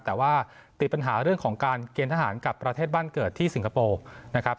แต่ว่าติดปัญหาเรื่องของการเกณฑ์ทหารกับประเทศบ้านเกิดที่สิงคโปร์นะครับ